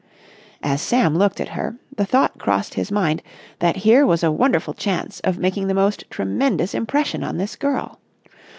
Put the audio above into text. As Sam looked at her, the thought crossed his mind that here was a wonderful chance of making the most tremendous impression on this girl.